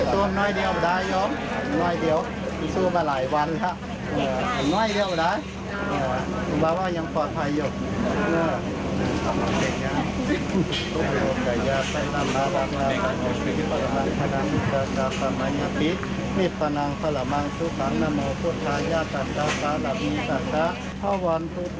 สวัสดีต้อนรับมา